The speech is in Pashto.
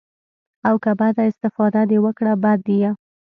او که بده استفاده دې وکړه بد ديه.